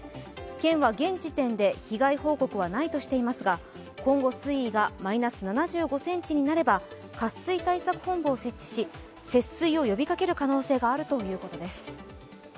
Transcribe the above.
県は現時点で被害報告はないとしていますが、今後、水位がマイナス７５ｃｍになれば渇水対策本部を設置し、節水を呼びかける可能性があるということです。